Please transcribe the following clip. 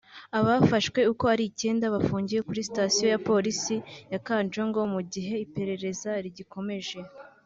Abafashwe uko ari icyenda bafungiye kuri sitasiyo ya Polisi ya Kanjongo mu gihe iperereza rigikomeje